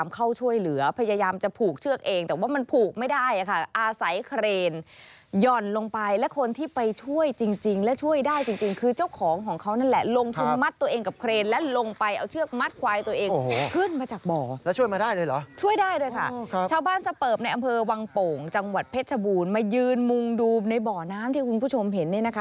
เขาเปิบในอำเภอวังโป่งจังหวัดเพชรชบูรณ์มายืนมุงดูในบ่อน้ำที่คุณผู้ชมเห็น